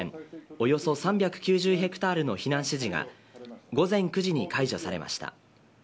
およそ３９０ヘクタールの避難指示が午前９時に開始されました。